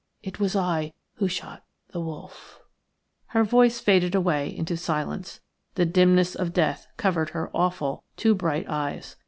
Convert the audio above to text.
It was I who shot the wolf —" Her voice faded away into silence. The dimness of death covered her awful, too bright eyes.